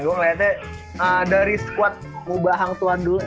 gua ngeliatnya dari squad muba hangtuan dulu